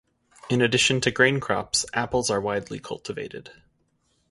In addition to grain crops, apples are widely cultivated.